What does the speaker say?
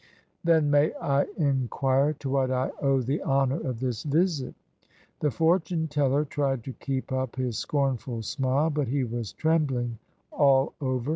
"Then may I inquire to what I owe the honour of this visit?" The fortune teller tried to keep up his scornful smile, but he was trembling all over.